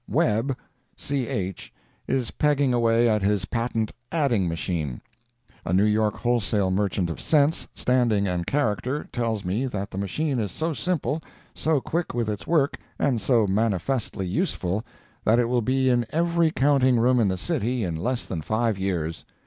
Webb (C. H.) is pegging away at his patent "adding machine." A New York wholesale merchant of sense, standing and character, tells me that the machine is so simple, so quick with its work, and so manifestly useful, that it will be in every counting room in the city in less that five years.